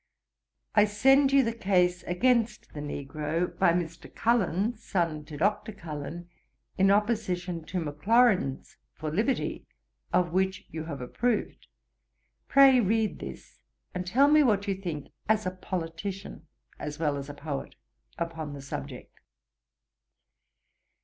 'I send you the case against the negro, by Mr. Cullen, son to Dr. Cullen, in opposition to Maclaurin's for liberty, of which you have approved. Pray read this, and tell me what you think as a Politician, as well as a Poet, upon the subject.